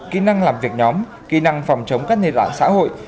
kỹ năng làm việc nhóm kỹ năng phòng chống các nền đoạn xã hội